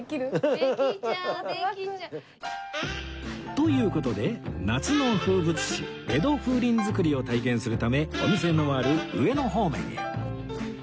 という事で夏の風物詩江戸風鈴作りを体験するためお店のある上野方面へ